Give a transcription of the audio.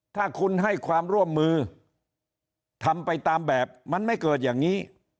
ถ้าคุณให้ความร่วมมือทำไปตามแบบมันไม่เกิดอย่างนี้